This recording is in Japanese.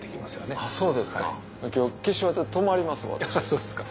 そうですか。